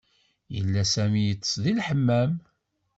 Yella sami ittes di elhmam